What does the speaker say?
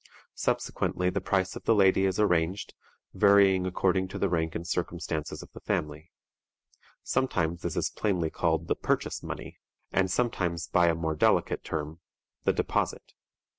Subsequently the price of the lady is arranged, varying according to the rank and circumstances of the family. Sometimes this is plainly called the "purchase money," and sometimes by a more delicate term, the "deposit."